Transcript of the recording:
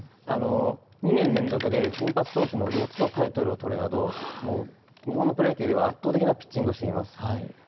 ２年連続で先発投手の４つのタイトルをとるなど、日本のプロ野球では圧倒的なピッチングをしています。